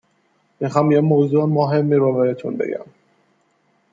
میخوام یه موضوع مهمی رو بهتون بگم.